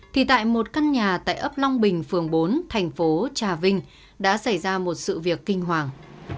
thì tại một căn nhà tại ấp long bình phường bốn thành phố trà vinh đã xảy ra một sự việc kinh hoàng